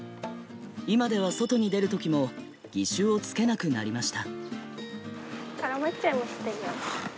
今では外に出る時も義手をつけなくなりました。